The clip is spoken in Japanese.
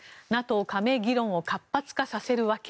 ＮＡＴＯ加盟議論を活発化させる訳。